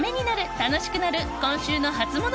楽しくなる今週のハツモノ